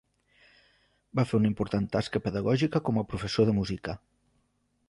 Va fer una important tasca pedagògica com a professor de música.